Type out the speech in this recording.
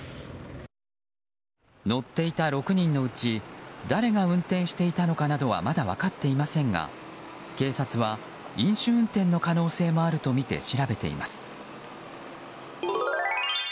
乗っていた６人のうち誰が運転していたのかなどはまだ分かっていませんが警察は飲酒運転の可能性もあるとみて調べています。